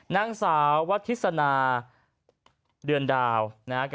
นางสาววัฒิสนาเดือนดาวนะครับ